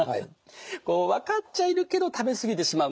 こう分かっちゃいるけど食べ過ぎてしまう。